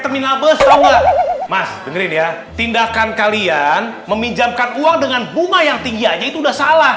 terminal besar mas dengerin ya tindakan kalian meminjamkan uang dengan bunga yang tinggi aja itu udah salah